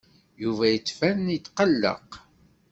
Yuba yettban yetqelleq.